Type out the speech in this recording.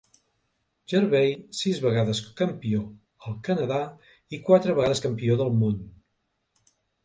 Ferbey sis vegades campió al Canada i quatre vegades campió del món.